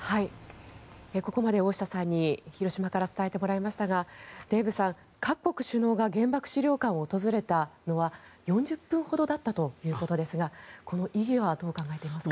ここまで、大下さんに広島から伝えてもらいましたがデーブさん、各国首脳が原爆資料館を訪れたのは４０分ほどだったということですがこの意義はどう考えていますか？